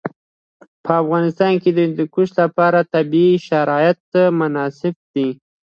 په افغانستان کې د هندوکش لپاره طبیعي شرایط مناسب دي.